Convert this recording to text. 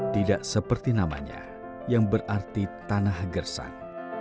tidak seperti namanya yang berarti tanah gersang